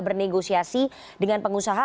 bernegosiasi dengan pengusaha